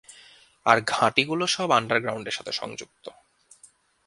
আর ঘাঁটিগুলো সব আন্ডারগ্রাউন্ডের সাথে সংযুক্ত।